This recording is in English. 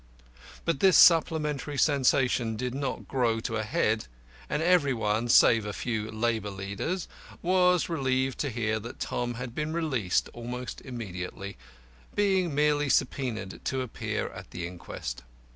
But this supplementary sensation did not grow to a head, and everybody (save a few labour leaders) was relieved to hear that Tom had been released almost immediately, being merely subpoenaed to appear at the inquest.